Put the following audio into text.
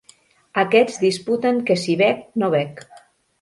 Aquests disputen que si bec no bec.